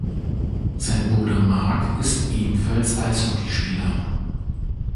Sein Bruder Marc ist ebenfalls Eishockeyspieler.